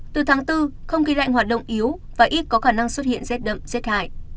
từ tháng bốn không khí lạnh hoạt động yếu và ít có khả năng xuất hiện rét đậm rét hại